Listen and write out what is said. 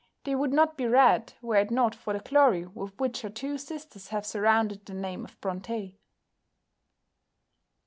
They would not be read, were it not for the glory with which her two sisters have surrounded the name of Brontë.